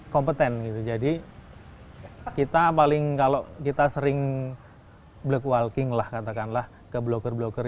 kompeten gitu jadi kita paling kalau kita sering black walking lah katakanlah ke blogger blogger